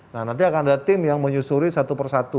nah nanti akan ada tim yang menyusuri satu persatu